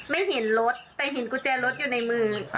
ไม่เห็นรถแต่เห็นกุญแจรถอยู่ในมือ